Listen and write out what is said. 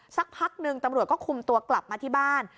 สักพักหนึ่งตำรวจก็คุมตัวกลับมาที่บ้าน